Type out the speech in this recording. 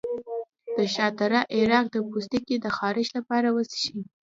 د شاه تره عرق د پوستکي د خارښ لپاره وڅښئ